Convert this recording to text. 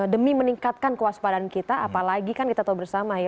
demi meningkatkan kewaspadaan kita apalagi kan kita tahu bersama ya